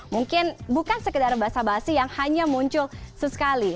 mungkin bukan sekedar basa basi yang hanya muncul sesekali